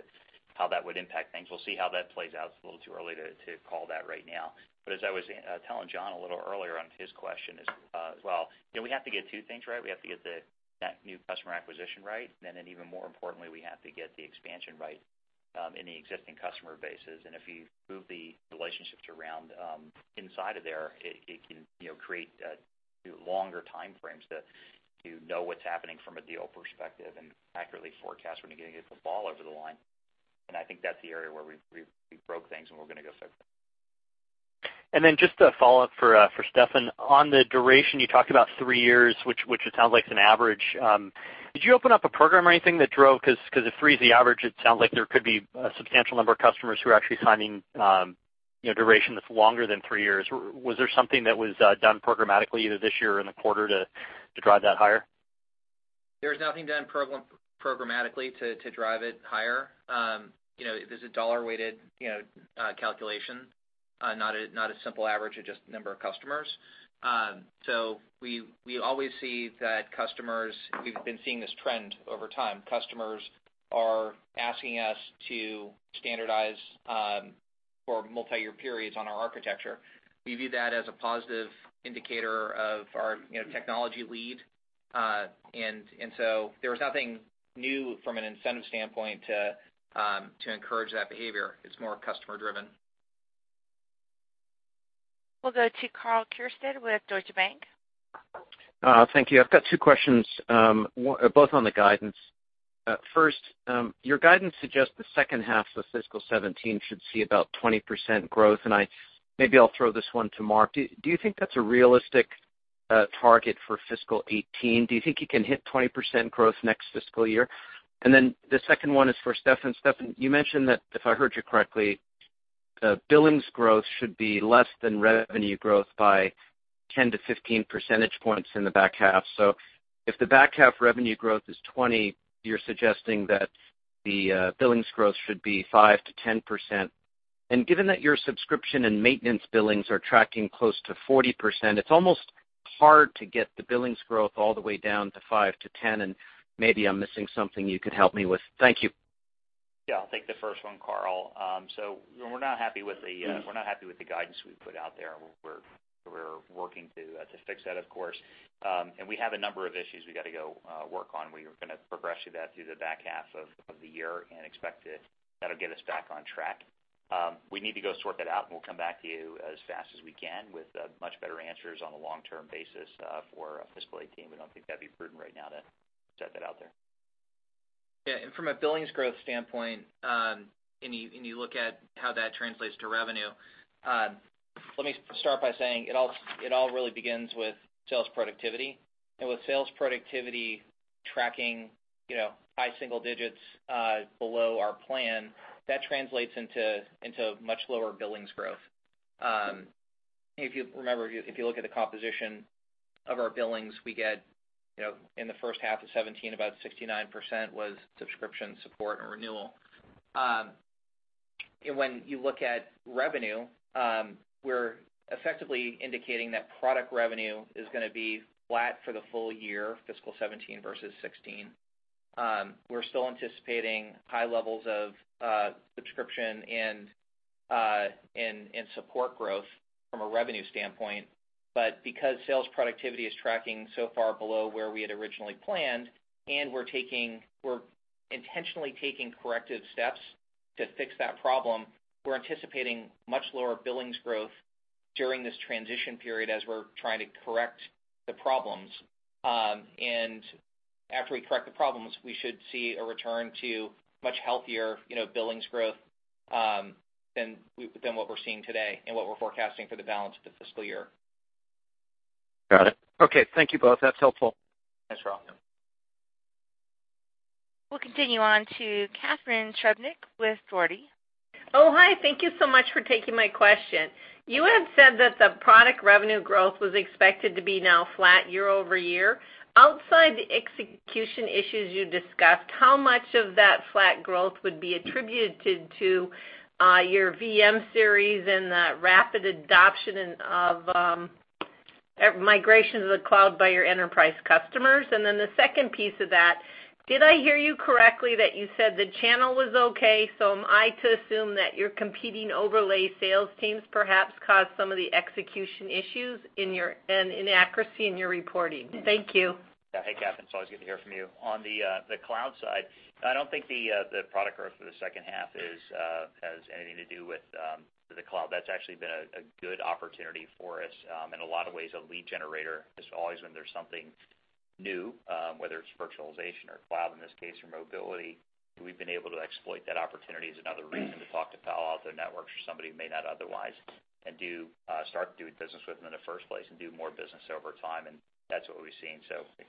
how that would impact things. We'll see how that plays out. It's a little too early to call that right now. As I was telling John a little earlier on his question as well, we have to get two things right. We have to get the net new customer acquisition right, and then even more importantly, we have to get the expansion right in the existing customer bases. If you move the relationships around inside of there, it can create longer time frames to know what's happening from a deal perspective and accurately forecast when you're going to get the ball over the line. I think that's the area where we broke things, and we're going to go fix it. Just a follow-up for Steffan. On the duration, you talked about three years, which it sounds like is an average. Did you open up a program or anything that drove? If three is the average, it sounds like there could be a substantial number of customers who are actually signing a duration that's longer than three years. Was there something that was done programmatically either this year or in the quarter to drive that higher? There was nothing done programmatically to drive it higher. This is a dollar-weighted calculation, not a simple average of just number of customers. We always see that customers, we've been seeing this trend over time. Customers are asking us to standardize for multi-year periods on our architecture. We view that as a positive indicator of our technology lead. There was nothing new from an incentive standpoint to encourage that behavior. It's more customer-driven. We'll go to Karl Keirstead with Deutsche Bank. Thank you. I've got two questions, both on the guidance. First, your guidance suggests the second half of fiscal 2017 should see about 20% growth, and maybe I'll throw this one to Mark. Do you think that's a realistic target for fiscal 2018? Do you think you can hit 20% growth next fiscal year? The second one is for Steffan. Steffan, you mentioned that, if I heard you correctly, billings growth should be less than revenue growth by 10 to 15 percentage points in the back half. If the back half revenue growth is 20, you're suggesting that the billings growth should be 5%-10%. And given that your subscription and maintenance billings are tracking close to 40%, it's almost hard to get the billings growth all the way down to 5 to 10, and maybe I'm missing something you could help me with. Thank you. I'll take the first one, Karl. We're not happy with the guidance we put out there. We're working to fix that, of course. We have a number of issues we've got to go work on. We are going to progress through that through the back half of the year and expect that that'll get us back on track. We need to go sort that out, and we'll come back to you as fast as we can with much better answers on a long-term basis for fiscal 2018. We don't think that'd be prudent right now to set that out there. From a billings growth standpoint, you look at how that translates to revenue, let me start by saying it all really begins with sales productivity. With sales productivity tracking high single digits below our plan, that translates into much lower billings growth. If you remember, if you look at the composition of our billings, we get in the first half of 2017, about 69% was subscription support and renewal. When you look at revenue, we're effectively indicating that product revenue is going to be flat for the full year, fiscal 2017 versus 2016. We're still anticipating high levels of subscription and support growth from a revenue standpoint. Because sales productivity is tracking so far below where we had originally planned, and we're intentionally taking corrective steps to fix that problem, we're anticipating much lower billings growth. During this transition period as we're trying to correct the problems. After we correct the problems, we should see a return to much healthier billings growth than what we're seeing today and what we're forecasting for the balance of the fiscal year. Got it. Okay. Thank you both. That's helpful. Thanks, Karl. We'll continue on to Catharine Trebnick with Dougherty. Oh, hi. Thank you so much for taking my question. You have said that the product revenue growth was expected to be now flat year-over-year. Outside the execution issues you discussed, how much of that flat growth would be attributed to your VM-Series and the rapid adoption of migration to the cloud by your enterprise customers? The second piece of that, did I hear you correctly that you said the channel was okay, so am I to assume that your competing overlay sales teams perhaps caused some of the execution issues and inaccuracy in your reporting? Thank you. Hey, Catharine, it's always good to hear from you. On the cloud side, I don't think the product growth for the second half has anything to do with the cloud. That's actually been a good opportunity for us. In a lot of ways, a lead generator, just always when there's something new, whether it's virtualization or cloud, in this case, or mobility, we've been able to exploit that opportunity as another reason to talk to Palo Alto Networks or somebody who may not otherwise and start doing business with them in the first place and do more business over time. That's what we've seen.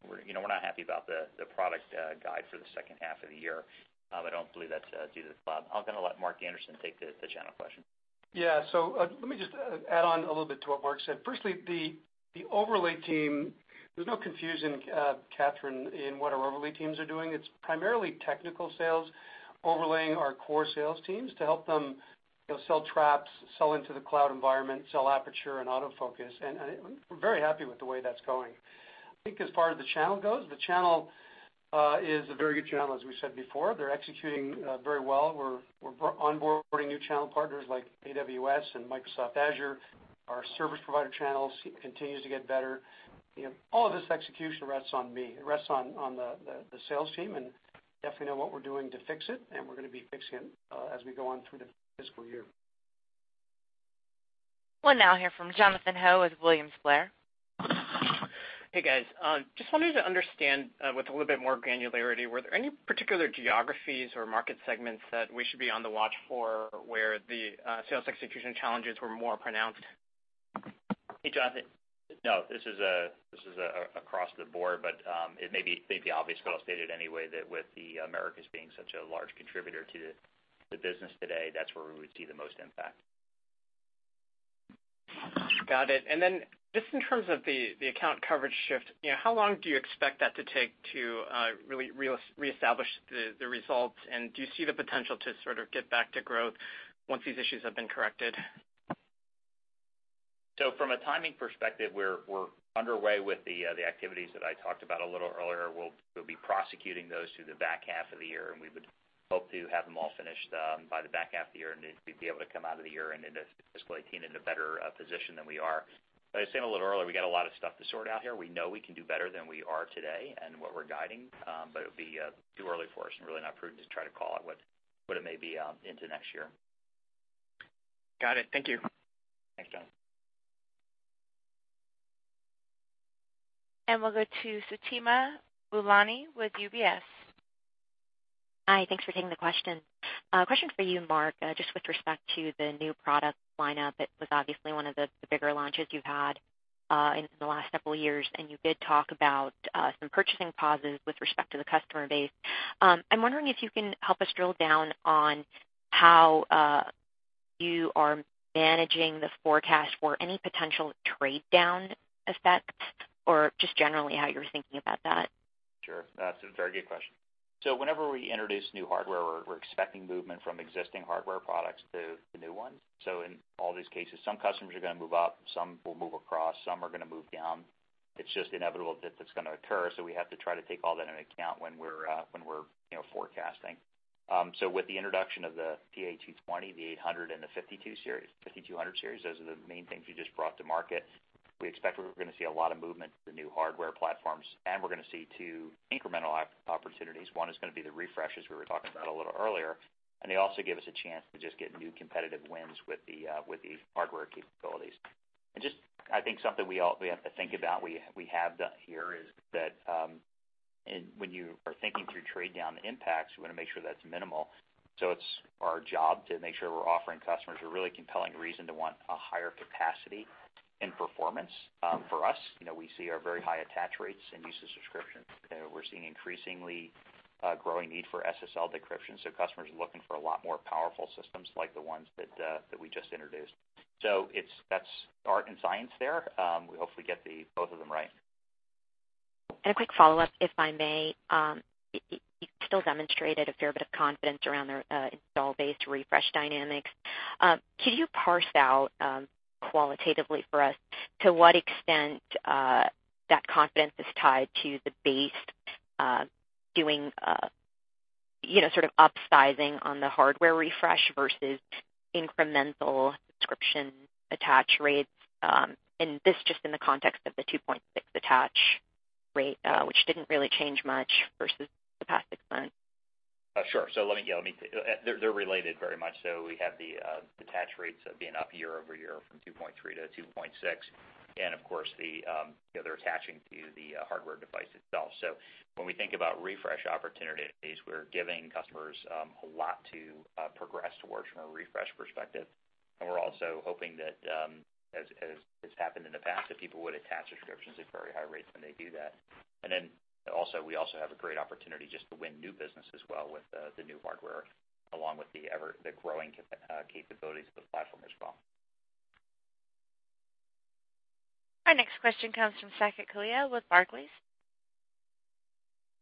We're not happy about the product guide for the second half of the year. I don't believe that's due to the cloud. I'm going to let Mark Anderson take the channel question. Let me just add on a little bit to what Mark said. Firstly, the overlay team, there's no confusion, Catharine, in what our overlay teams are doing. It's primarily technical sales overlaying our core sales teams to help them sell Traps, sell into the cloud environment, sell Aperture and AutoFocus. We're very happy with the way that's going. I think as far as the channel goes, the channel is a very good channel, as we said before. They're executing very well. We're onboarding new channel partners like AWS and Microsoft Azure. Our service provider channels continues to get better. All of this execution rests on me. It rests on the sales team. Definitely know what we're doing to fix it, and we're going to be fixing it as we go on through the fiscal year. We'll now hear from Jonathan Ho with William Blair. Hey, guys. Just wanted to understand with a little bit more granularity, were there any particular geographies or market segments that we should be on the watch for where the sales execution challenges were more pronounced? Hey, Jonathan. No, this is across the board, but it may be obvious, but I'll state it anyway, that with the Americas being such a large contributor to the business today, that's where we would see the most impact. Got it. Just in terms of the account coverage shift, how long do you expect that to take to really reestablish the results, and do you see the potential to sort of get back to growth once these issues have been corrected? From a timing perspective, we're underway with the activities that I talked about a little earlier. We'll be prosecuting those through the back half of the year, and we would hope to have them all finished by the back half of the year, and we'd be able to come out of the year and into fiscal 2018 in a better position than we are. As I said a little earlier, we got a lot of stuff to sort out here. We know we can do better than we are today and what we're guiding, but it would be too early for us and really not prudent to try to call out what it may be into next year. Got it. Thank you. Thanks, Jonathan. We'll go to Fatima Boolani with UBS. Hi, thanks for taking the question. A question for you, Mark, just with respect to the new product lineup. It was obviously one of the bigger launches you've had in the last several years, and you did talk about some purchasing pauses with respect to the customer base. I'm wondering if you can help us drill down on how you are managing the forecast for any potential trade down effects or just generally how you're thinking about that. Sure. That's a very good question. Whenever we introduce new hardware, we're expecting movement from existing hardware products to the new ones. In all these cases, some customers are going to move up, some will move across, some are going to move down. It's just inevitable that that's going to occur, so we have to try to take all that into account when we're forecasting. With the introduction of the PA-220, the 800 and the 5200 series, those are the main things we just brought to market. We expect we're going to see a lot of movement to the new hardware platforms, and we're going to see two incremental opportunities. One is going to be the refreshes we were talking about a little earlier, and they also give us a chance to just get new competitive wins with the hardware capabilities. Just, I think something we have to think about, we have done here is that when you are thinking through trade down impacts, we want to make sure that's minimal. It's our job to make sure we're offering customers a really compelling reason to want a higher capacity and performance. For us, we see our very high attach rates and use of subscription. We're seeing increasingly growing need for SSL decryption, customers are looking for a lot more powerful systems like the ones that we just introduced. That's art and science there. We hopefully get both of them right. A quick follow-up, if I may. You still demonstrated a fair bit of confidence around the install-based refresh dynamics. Can you parse out qualitatively for us to what extent that confidence is tied to the base doing sort of upsizing on the hardware refresh versus incremental subscription attach rates? This just in the context of the 2.6 attach rate, which didn't really change much versus the past six months. Sure. Let me. They're related very much. We have the attach rates being up year-over-year from 2.3 to 2.6. Of course, they're attaching to the hardware device itself. When we think about refresh opportunities, we're giving customers a lot to progress towards from a refresh perspective. We're also hoping that, as has happened in the past, that people would attach subscriptions at very high rates when they do that. We also have a great opportunity just to win new business as well with the new hardware, along with the growing capabilities of the platform as well. Our next question comes from Saket Kalia with Barclays.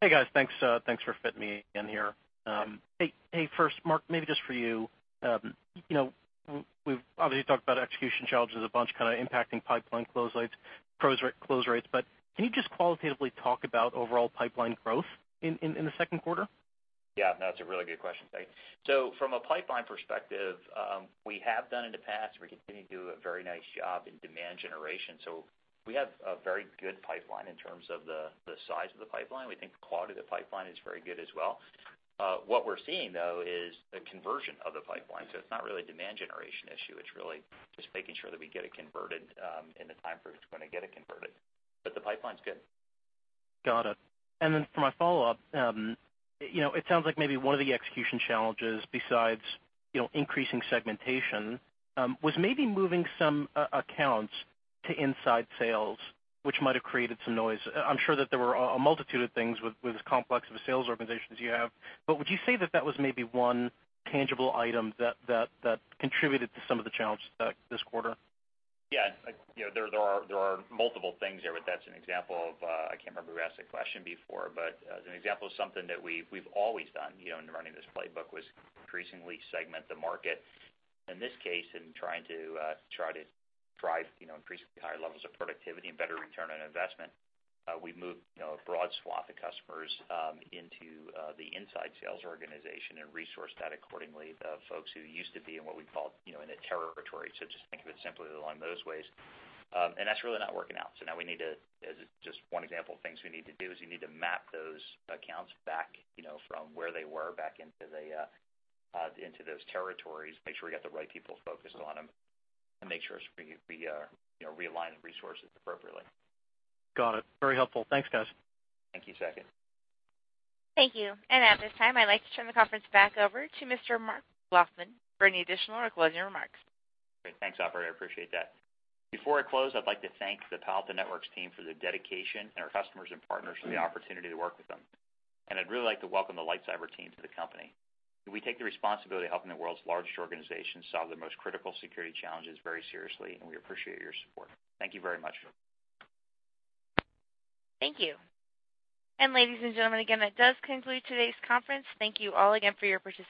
Hey, guys. Thanks for fitting me in here. Hey, first, Mark, maybe just for you. We've obviously talked about execution challenges, a bunch kind of impacting pipeline close rates. Can you just qualitatively talk about overall pipeline growth in the second quarter? Yeah. No, that's a really good question, Saket. From a pipeline perspective, we have done in the past, we continue to do a very nice job in demand generation. We have a very good pipeline in terms of the size of the pipeline. We think the quality of the pipeline is very good as well. What we're seeing, though, is the conversion of the pipeline. It's not really a demand generation issue. It's really just making sure that we get it converted in the time frame it's going to get it converted. The pipeline's good. Got it. For my follow-up, it sounds like maybe one of the execution challenges besides increasing segmentation, was maybe moving some accounts to inside sales, which might have created some noise. I'm sure that there were a multitude of things with as complex of a sales organization as you have. Would you say that that was maybe one tangible item that contributed to some of the challenges this quarter? Yeah. There are multiple things there, but that's an example of. I can't remember who asked that question before, but as an example of something that we've always done in running this playbook was increasingly segment the market. In this case, in trying to drive increasingly higher levels of productivity and better return on investment, we moved a broad swath of customers into the inside sales organization and resourced that accordingly of folks who used to be in what we'd call in a territory. Just think of it simply along those ways. That's really not working out. Now we need to, as just one example of things we need to do, is we need to map those accounts back from where they were back into those territories, make sure we got the right people focused on them, and make sure we realign the resources appropriately. Got it. Very helpful. Thanks, guys. Thank you, Saket. Thank you. At this time, I'd like to turn the conference back over to Mr. Mark McLaughlin for any additional or closing remarks. Great. Thanks, operator. I appreciate that. Before I close, I'd like to thank the Palo Alto Networks team for their dedication and our customers and partners for the opportunity to work with them. I'd really like to welcome the LightCyber team to the company. We take the responsibility of helping the world's largest organizations solve their most critical security challenges very seriously, and we appreciate your support. Thank you very much. Thank you. Ladies and gentlemen, again, that does conclude today's conference. Thank you all again for your participation